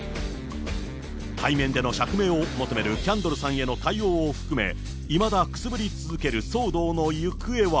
対面での釈明を求めるキャンドルさんへの対応を含め、いまだくすぶり続ける騒動の行方は。